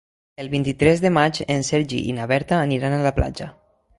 El vint-i-tres de maig en Sergi i na Berta aniran a la platja.